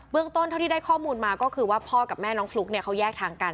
ต้นเท่าที่ได้ข้อมูลมาก็คือว่าพ่อกับแม่น้องฟลุ๊กเนี่ยเขาแยกทางกัน